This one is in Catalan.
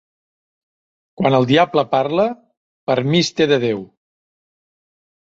Quan el diable parla, permís té de Déu.